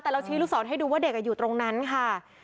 แต่เราชี้ลูกศรให้ดูว่าเด็กอยู่ตรงนั้นค่ะ